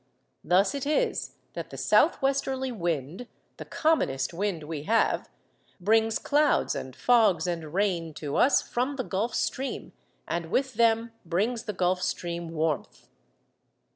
Thus it is that the south westerly wind, the commonest wind we have, brings clouds and fogs and rain to us from the Gulf Stream, and with them brings the Gulf Stream warmth.